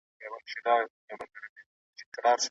په څېړنیزو مقالو کې سرچینې یادېږي.